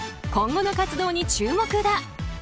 今後の活動に注目だ。